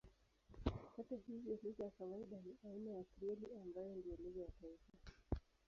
Hata hivyo lugha ya kawaida ni aina ya Krioli ambayo ndiyo lugha ya taifa.